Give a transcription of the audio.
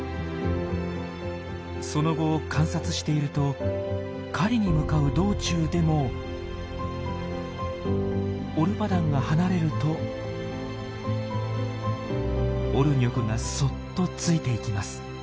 その後観察していると狩りに向かう道中でもオルパダンが離れるとオルニョクがそっとついていきます。